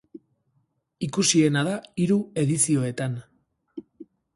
Ikusiena da hiru edizioetan.